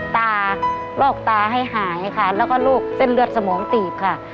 ตาลอกตาให้หายค่ะแล้วก็โรคเส้นเลือดสมองตีบค่ะ